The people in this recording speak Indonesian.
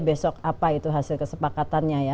besok apa itu hasil kesepakatannya ya